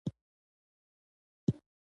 د اوغان او اوغانیانو په باره کې لږ څېړنې شوې.